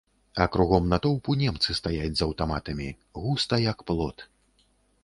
А кругом натоўпу немцы стаяць з аўтаматамі, густа, як плот.